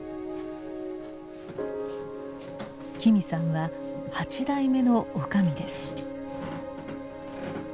紀美さんは８代目の女将です。